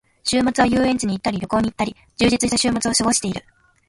週末は遊園地に行ったり旅行に行ったり、充実した週末を過ごしている。